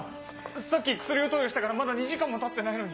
さっき薬を投与してからまだ２時間もたってないのに。